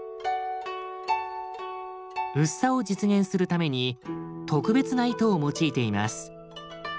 薄さを実現するために特別な糸を用いています。